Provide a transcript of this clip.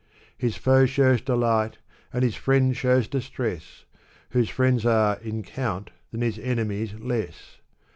His foe shows delight, and his friend shows distress. Whose friends are, in count, than his enemies less.